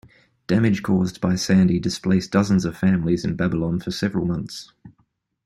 Damage caused by Sandy displaced dozens of families in Babylon for several months.